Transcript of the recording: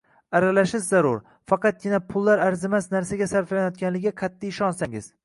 Aralashish zarur, faqatgina pullar arzimas narsaga sarflanayotganligiga qat’iy ishonsangiz.